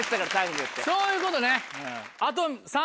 そういうことね。